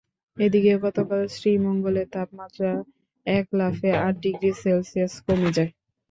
এদিকে গতকাল শ্রীমঙ্গলের তাপমাত্রা এক লাফে আট ডিগ্রি সেলসিয়াস কমে যায়।